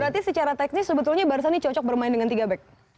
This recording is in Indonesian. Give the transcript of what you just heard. berarti secara teknis sebetulnya barca ini cocok bermain dengan tiga back